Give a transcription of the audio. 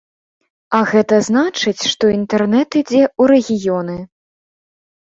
А гэта значыць, што інтэрнэт ідзе ў рэгіёны.